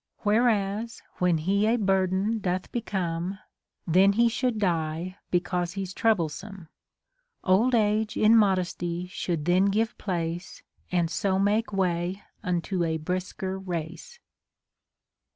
Whereas, when he a burden doth become, Then he should die, because he's troublesome. Old age in modesty should then give place, And so make way unto a brisker race.